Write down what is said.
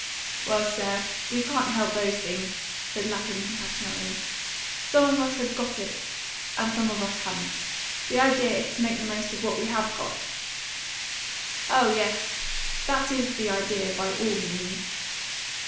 "Well, sir, we can't help those things," said Lapham compassionately. "Some of us have got it, and some of us haven't. The idea is to make the most of what we HAVE got." "Oh yes; that is the idea. By all means."